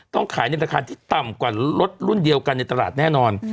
ขายในราคาที่ต่ำกว่ารถรุ่นเดียวกันในตลาดแน่นอน